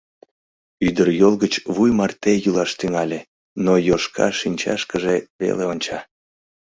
Ӱдыр йол гыч вуй марте йӱлаш тӱҥале, но Йошка шинчашкыже веле онча.